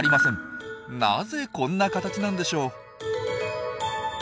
なぜこんな形なんでしょう？